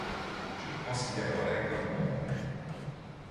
Je le considèrerai comme mon oncle.